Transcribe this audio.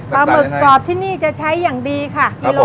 ปลาหมึกกรอบที่นี่จะใช้อย่างดีค่ะครับผม